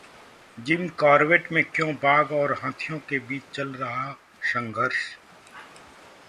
Gym Corbett में क्यों बाघ और हाथियों के बीच चल रहा संघर्ष?